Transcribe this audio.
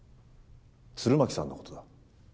鶴巻さんのことだ。